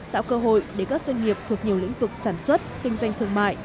tạo cơ hội để các doanh nghiệp thuộc nhiều lĩnh vực sản xuất kinh doanh thương mại